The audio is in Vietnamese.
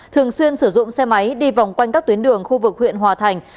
thường xuyên sử dụng xe máy đi vòng quanh các tuyến đường khu vực huyện hòa thành